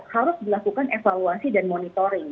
harus dilakukan evaluasi dan monitoring